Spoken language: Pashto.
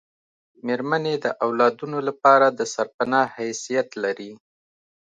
میرمنې د اولادونو لپاره دسرپنا حیثیت لري